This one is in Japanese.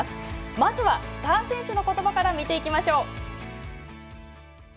まずは、スター選手の言葉から見ていきましょう！